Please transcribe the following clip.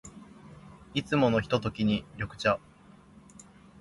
いつものひとときに、緑茶。